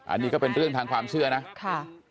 อันนี้ก็เป็นเรื่องทางความเชื่อนะค่ะ